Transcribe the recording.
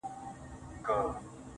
د پښتنو ماحول دی دلته تهمتوته ډېر دي~